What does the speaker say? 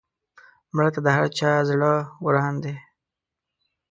مړه ته د هر چا زړه وران دی